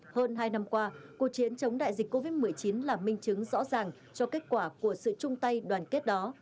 hơn hai năm qua cuộc chiến chống đại dịch covid một mươi chín là minh chứng rõ ràng cho kết quả của sự chung tay đoàn kết đó